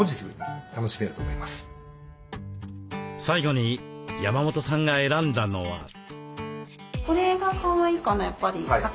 最後に山本さんが選んだのは。